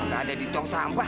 tak ada di tong sampah